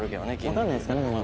わかんないですからね。